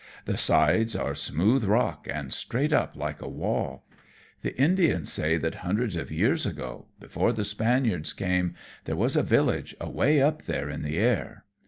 The sides are smooth rock, and straight up, like a wall. The Indians say that hundreds of years ago, before the Spaniards came, there was a village away up there in the air.